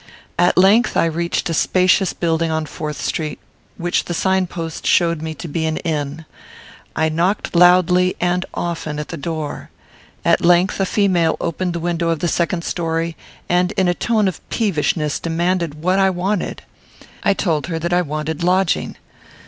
At length I reached a spacious building in Fourth Street, which the signpost showed me to be an inn. I knocked loudly and often at the door. At length a female opened the window of the second story, and, in a tone of peevishness, demanded what I wanted. I told her that I wanted lodging.